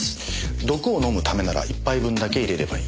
毒を飲むためなら１杯分だけ淹れればいい。